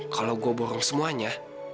kalau gue borong semuanya